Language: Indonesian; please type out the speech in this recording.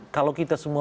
kalau kita semua